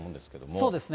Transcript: そうですね。